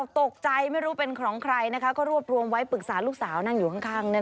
ตกใจไม่รู้เป็นของใครนะคะก็รวบรวมไว้ปรึกษาลูกสาวนั่งอยู่ข้าง